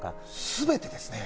全てですね。